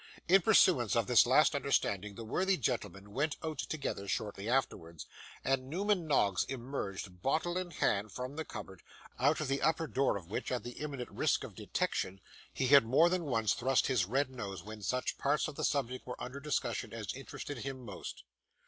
In pursuance of this last understanding the worthy gentlemen went out together shortly afterwards, and Newman Noggs emerged, bottle in hand, from the cupboard, out of the upper door of which, at the imminent risk of detection, he had more than once thrust his red nose when such parts of the subject were under discussion as interested him most.